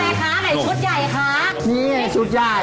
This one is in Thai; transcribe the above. นี่ไงชุดใหญ่